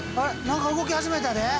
何か動き始めたで！